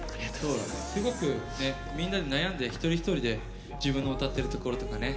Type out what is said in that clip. すごくみんなで悩んで一人一人で自分の歌ってるところとかね。